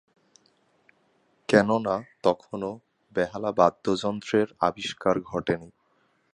কেননা, তখনও বেহালা বাদ্যযন্ত্রের আবিষ্কার ঘটেনি।